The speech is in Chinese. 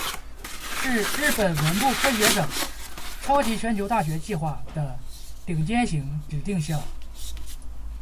是日本文部科学省超级全球大学计划的顶尖型指定校。